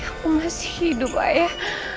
aku masih hidup ayah